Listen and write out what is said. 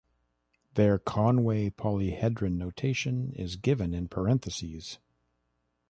Their Conway polyhedron notation is given in parentheses.